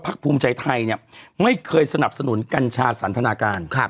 ภูมิใจไทยเนี่ยไม่เคยสนับสนุนกัญชาสันทนาการ